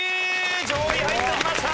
上位入ってきました！